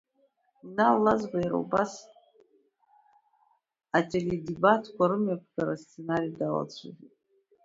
Инал Лазба, иара убас, ателедебатқәа рымҩаԥгара асценарии далацәажәеит…